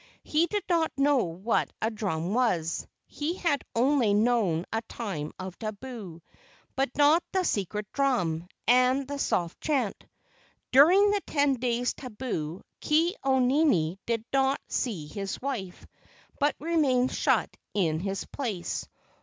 He did not know what a drum was. He had only known a time of tabu, but not the secret drum, and the soft chant. During the ten days' tabu Ke au nini did not see his wife, but remained shut in his place.